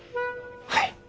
はい。